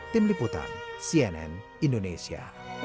tim liputan cnn indonesia